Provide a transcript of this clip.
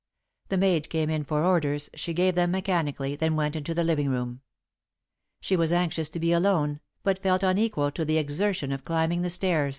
The maid came in for orders, she gave them mechanically, then went into the living room. She was anxious to be alone, but felt unequal to the exertion of climbing the stairs.